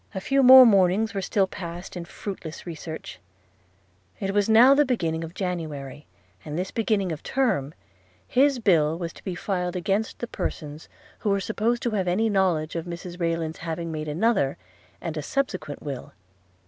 A few more mornings were still passed in fruitless research. It was now the beginning of January; and this beginning of Term his bill was to be filed against the persons who were supposed to have any knowledge of Mrs Rayland's having made another, and a subsequent will.